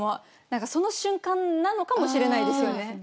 何かその瞬間なのかもしれないですよね。